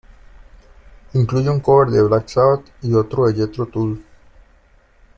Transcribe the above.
Incluye un cover de Black Sabbath y otro de Jethro Tull.